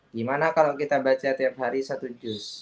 gimana kalau kita baca tiap hari satu jus